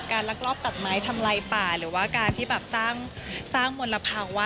ลักลอบตัดไม้ทำลายป่าหรือว่าการที่แบบสร้างมลภาวะ